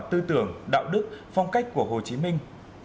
tư tưởng đạo đức phong cách của hồ chí minh